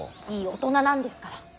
いい大人なんですから。